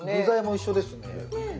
具材も一緒ですね。